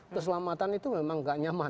keselamatan itu memang nggak nyaman